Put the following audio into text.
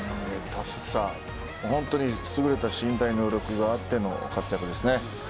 タフさ、本当にすぐれた身体能力があっての活躍ですね。